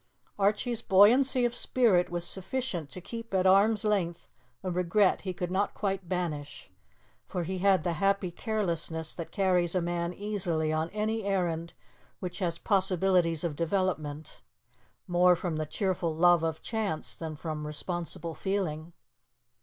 Archie's buoyancy of spirit was sufficient to keep at arm's length a regret he could not quite banish; for he had the happy carelessness that carries a man easily on any errand which has possibilities of development, more from the cheerful love of chance than from responsible feeling.